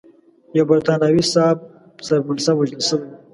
یو برټانوي صاحب منصب وژل شوی و.